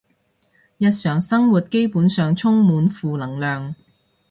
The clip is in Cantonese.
日常生活基本上充滿負能量